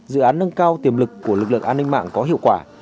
dự án nâng cao tiềm lực của lực lượng an ninh mạng có hiệu quả